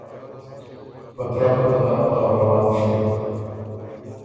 په ترپه ته نر پلؤ روان ݭیوک